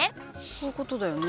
こういうことだよね？